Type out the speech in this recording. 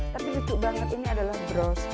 tapi lucu banget ini adalah browth